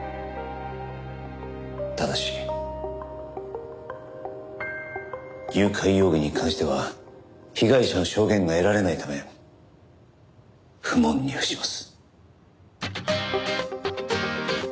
ただし誘拐容疑に関しては被害者の証言が得られないため不問に付します。